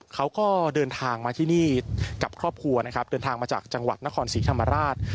เขาก็เดินทางมาที่นี่กับครอบครัวนะครับเดินทางมาจากจังหวัดนครศรีธรรมราช